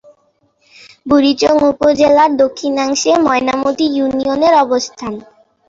বুড়িচং উপজেলার দক্ষিণাংশে ময়নামতি ইউনিয়নের অবস্থান।